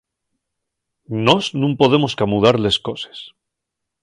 Nós nun podemos camudar les coses.